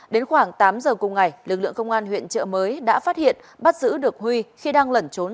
đến khoảng tám giờ cùng ngày lực lượng công an huyện trợ mới đã phát hiện bắt giữ được huy khi đang lẩn trốn